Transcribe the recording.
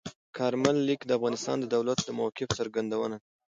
کارمل لیک د افغانستان د دولت د موقف څرګندونه ده.